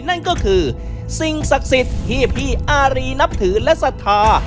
นั่นก็คือสิ่งศักดิ์สิทธิ์ที่พี่อารีนับถือและศรัทธา